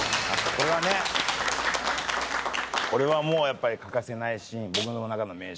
これはもうやっぱり欠かせないシーン